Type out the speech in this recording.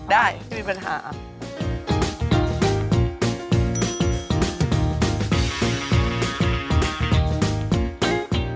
ได้ไม่มีปัญหา